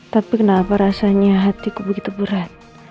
tapi kenapa rasanya hatiku begitu berat